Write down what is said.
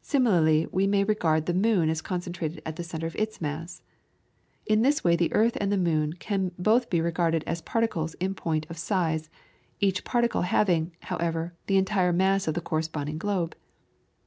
Similarly we may regard the moon as concentrated at the centre of its mass. In this way the earth and the moon can both be regarded as particles in point of size, each particle having, however, the entire mass of the corresponding globe.